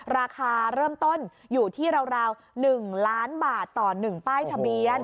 ราคาเริ่มต้นอยู่ที่ราว๑ล้านบาทต่อ๑ป้ายทะเบียน